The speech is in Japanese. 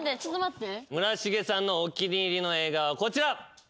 村重さんのお気に入りの映画はこちら。